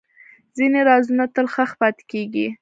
ځینې رازونه تل ښخ پاتې کېږي.